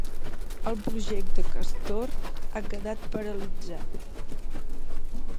El projecte Castor ha quedat paralitzat.